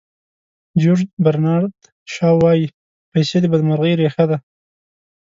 جیورج برنارد شاو وایي پیسې د بدمرغۍ ریښه ده.